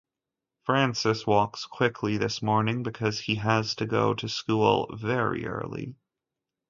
Francis walks quickly this morning because he has to go to school very early.